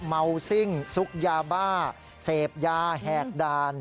เมาซิ่งซุกยาบ้าเสพยาแหกด่าน